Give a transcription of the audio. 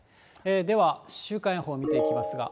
では、週間予報見ていきますが。